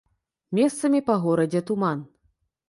Месцамі па горадзе туман.